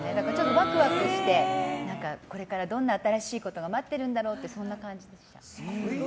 ワクワクしてこれからどんな新しいことが待ってるんだろうってそんな感じでした。